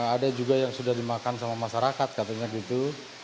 ada juga yang sudah dimakan sama masyarakat katanya gitu